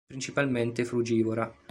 È principalmente frugivora.